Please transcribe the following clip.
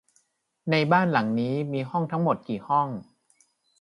ในบ้านหลังนี้มีห้องทั้งหมดกี่ห้อง ?